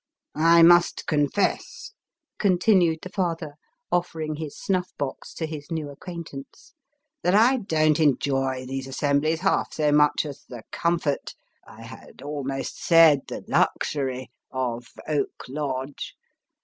" I must confess," continued the father, offering his snuff box to his new acquaintance, " that I don't enjoy these assemblies half so much as the comfort I had almost said the luxury of Oak Lodge.